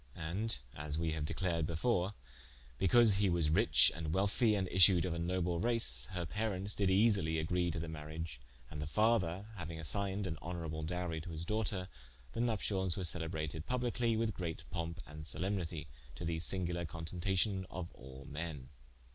And (as we haue declared before) because he was ritche and wealthie, and issued of a noble race, her parentes did easely agree to the mariage: and the father hauing assigned an honourable dowrie to his doughter, the Nupcials were celebrated publikely with greate pompe and solemnitie, to the singuler contentation of all men.